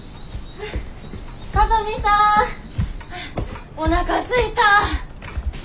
聡美さんおなかすいた！